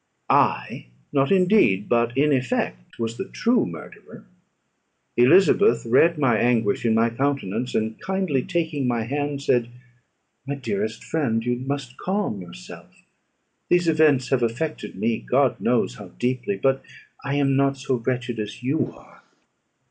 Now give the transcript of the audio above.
I, not in deed, but in effect, was the true murderer. Elizabeth read my anguish in my countenance, and kindly taking my hand, said, "My dearest friend, you must calm yourself. These events have affected me, God knows how deeply; but I am not so wretched as you are.